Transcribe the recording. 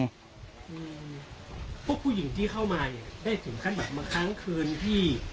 อืมพวกผู้หญิงที่เข้ามาเนี่ยได้สินค้าแบบเมื่อครั้งคืนที่